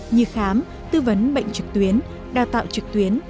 như khám tư vấn bệnh trực tuyến đào tạo trực tuyến